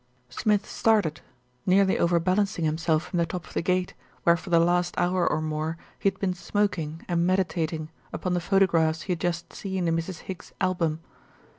Smith started, nearly overbalancing himself from the top of the gate, where for the last hour or more he had been smoking and meditating upon the photographs he had just seen in Mrs. Higgs's album.